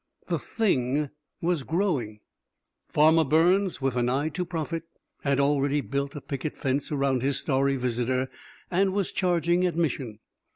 The Thing was growing! Farmer Burns, with an eye to profit, had already built a picket fence around his starry visitor and was charging admission.